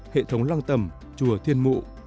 hệ thống lăng tầm chùa thiên mụ